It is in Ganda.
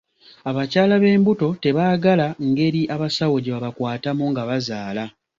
Abakyala b'embuto tebaagala ngeri abasawo gye babakwatamu nga bazaala.